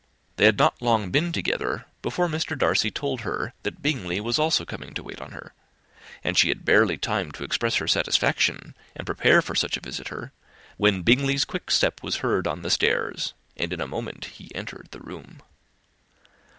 They had not been long together before Darcy told her that Bingley was also coming to wait on her; and she had barely time to express her satisfaction, and prepare for such a visitor, when Bingley's quick step was heard on the stairs, and in a moment he entered the room.